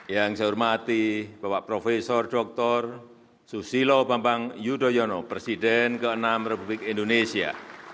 yang saya hormati bapak profesor dr susilo bambang yudhoyono presiden ke enam republik indonesia